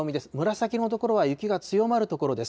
紫の所は雪が強まる所です。